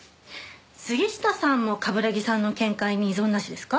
杉下さんも冠城さんの見解に異存なしですか？